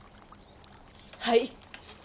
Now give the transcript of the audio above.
はい。